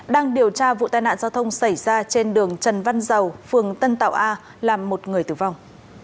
đang điều tra vụ tai nạn giao thông xảy ra trên đường trần văn dầu phường tân tạo a làm một người tử vong